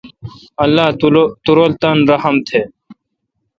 اللہ تو رل تان رحم تھ۔